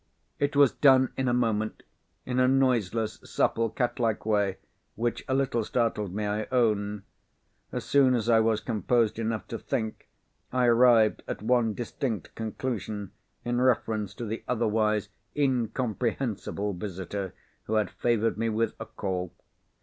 It was done in a moment, in a noiseless, supple, cat like way, which a little startled me, I own. As soon as I was composed enough to think, I arrived at one distinct conclusion in reference to the otherwise incomprehensible visitor who had favoured me with a call.